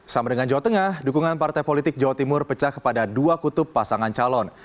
sama dengan jawa tengah dukungan partai politik jawa timur pecah kepada dua kutub pasangan calon